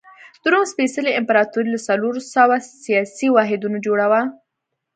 د روم سپېڅلې امپراتوري له څلور سوه سیاسي واحدونو جوړه وه.